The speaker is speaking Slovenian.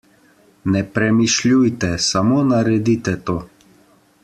Ne premišljujte, samo naredite to.